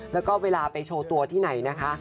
แล้วก็เวลาไปโชว์ตัวที่ไหนนะคะ